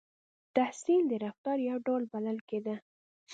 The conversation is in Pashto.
• تحصیل د رفتار یو ډول بلل کېده.